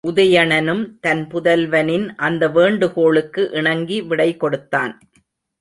உதயணனும் தன் புதல்வனின் அந்த வேண்டுகோளுக்கு இணங்கி விடை கொடுத்தான்.